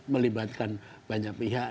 melibatkan banyak pihak